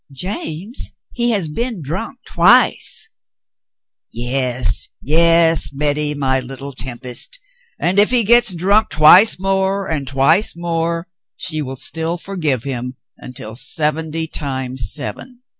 "James, he has been drunk twice !" "Yes, yes, Betty, my Httle tempest, and if he gets drunk twice more, and twice more, she will still forgive him until seventy times seven.